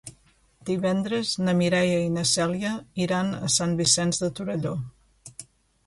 Divendres na Mireia i na Cèlia iran a Sant Vicenç de Torelló.